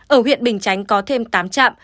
ở huyện bình chánh có thêm tám trạm